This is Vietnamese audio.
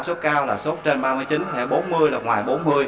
sốt cao là sốt trên ba mươi chín thể bốn mươi là ngoài bốn mươi